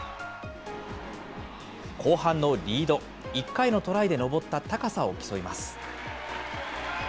後半のリード、１回のトライで登った高さを競います。